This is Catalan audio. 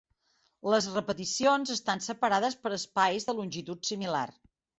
Les repeticions estan separades per espais de longitud similar.